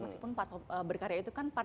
meskipun berkarya itu kan partai yang besar